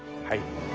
はい。